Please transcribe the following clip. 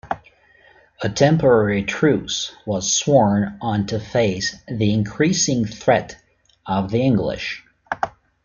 A temporary truce was sworn on to face the increasing threat of the English.